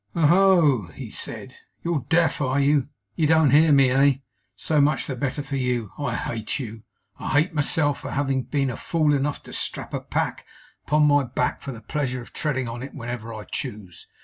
'Oho!' he said, 'you're deaf, are you? You don't hear me, eh? So much the better for you. I hate you. I hate myself, for having, been fool enough to strap a pack upon my back for the pleasure of treading on it whenever I choose.